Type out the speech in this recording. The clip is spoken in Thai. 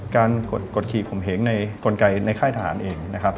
การกดกดขี่ขมเหงในกลไกในค่ายทหารเอง